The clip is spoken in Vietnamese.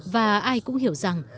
và ai cũng hiểu rằng